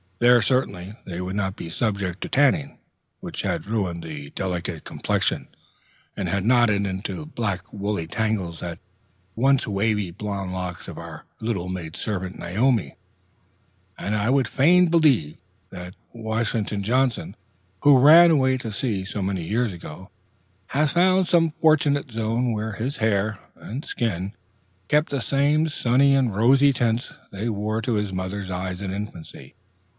There, certainly, they would not be subject to tanning, which had ruined the delicate complexion, and had knotted into black woolly tangles the once wavy blonde locks of our little maid servant Naomi; and I would fain believe that Toussaint Washington Johnson, who ran away to sea so many years ago, has found some fortunate zone where his hair and skin keep the same sunny and rosy tints they wore to his mother's eyes in infancy.